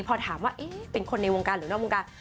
พอถามว่าเป็นคนในวงการหรือนอกวงการ